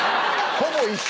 ほぼ一緒。